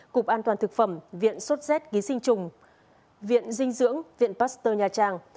cục an toàn thực phẩm viện sốt z ký sinh trùng viện dinh dưỡng viện pasteur nha trang